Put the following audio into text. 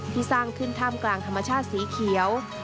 สร้างขึ้นท่ามกลางธรรมชาติสีเขียว